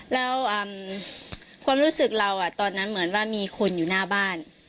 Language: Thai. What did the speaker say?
แล้วความรู้สึกเราตอนนั้นเหมือนว่ามีคนอยู่หน้าบ้าน